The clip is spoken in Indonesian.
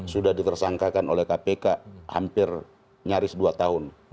sudah ditersangkakan oleh kpk hampir nyaris dua tahun